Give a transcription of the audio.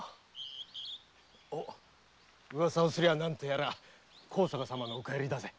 おっ噂をすれば何とやら高坂様のお帰りだぜ。